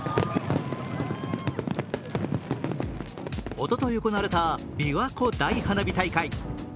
おととい行われたびわ湖大花火大会。